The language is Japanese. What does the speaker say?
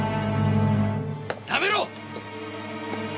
やめろ！